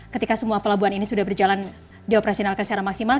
ketika semua pelabuhan ini sudah berjalan dioperasionalkan secara maksimal